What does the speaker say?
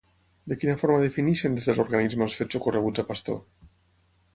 De quina forma defineixen des de l'organisme els fets ocorreguts a Pastor?